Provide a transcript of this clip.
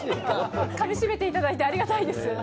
かみしめていただいてありがたいです。